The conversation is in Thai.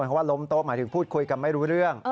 เพราะว่าล้มโต๊ะหมายถึงพูดคุยกันไม่รู้เรื่อง